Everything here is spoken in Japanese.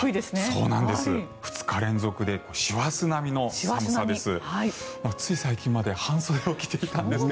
２日連続で師走並みの寒さです。